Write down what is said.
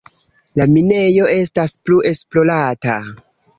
La minejo estas plu esplorata.